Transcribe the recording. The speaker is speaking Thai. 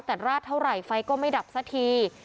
แต่ราดเท่าไหร่ไฟก็ไม่ดับสักที